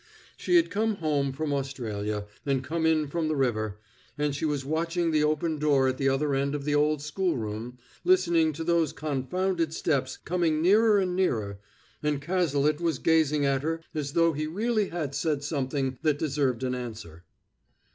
She had come home from Australia, and come in from the river, and she was watching the open door at the other end of the old schoolroom, listening to those confounded steps coming nearer and nearer and Cazalet was gazing at her as though he really had said something that deserved an answer.